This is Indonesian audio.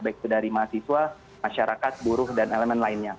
baik itu dari mahasiswa masyarakat buruh dan elemen lainnya